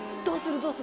どうする？